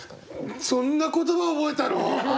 そんな言葉覚えたの！？